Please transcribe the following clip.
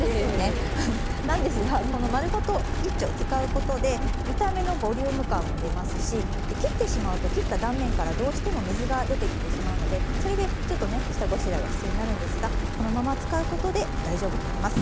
なんですがこの丸ごと１丁使うことで見た目のボリューム感も出ますし切ってしまうと切った断面からどうしても水が出てきてしまうのでそれでちょっとね下ごしらえが必要になるんですがこのまま使うことで大丈夫になります。